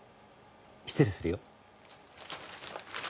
失礼するよ。